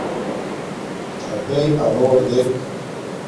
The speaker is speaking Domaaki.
تھپݵئ انݸر دݵک.